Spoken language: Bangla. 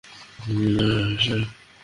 না, মিস ম্যারি।